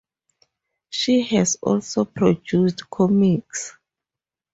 She has also produced comics.